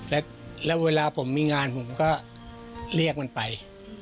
แล้วเวลาผมมีงานผมก็เรียกมันไป